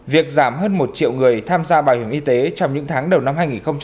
việc giảm hơn một triệu người tham gia bảo hiểm y tế trong những tháng đầu năm hai nghìn hai mươi